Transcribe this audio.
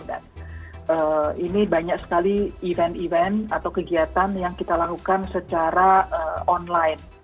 dan ini banyak sekali event event atau kegiatan yang kita lakukan secara online